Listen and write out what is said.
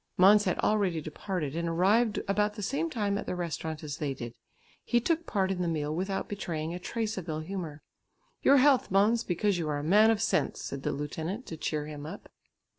Måns had already departed, and arrived about the same time at the restaurant as they did. He took part in the meal without betraying a trace of ill humour. "Your health, Måns, because you are a man of sense," said the lieutenant to cheer him up.